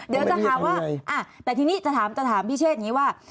เดี๋ยวจะถามว่าอ่ะแต่ทีนี้จะถามจะถามพี่เชศนี้ว่า